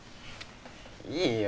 いいよ